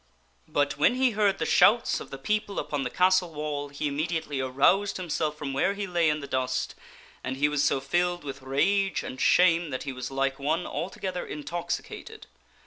But when he heard the shouts of the people upon the castle wall, he immediately aroused himself from where he lay in the dust, and he was so filled with rage and shame that he was like one altogether intoxicated.